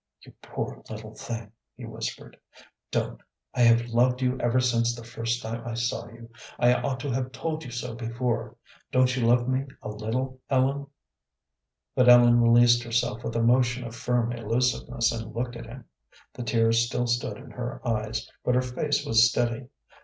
"You poor little thing," he whispered. "Don't. I have loved you ever since the first time I saw you. I ought to have told you so before. Don't you love me a little, Ellen?" But Ellen released herself with a motion of firm elusiveness and looked at him. The tears still stood in her eyes, but her face was steady.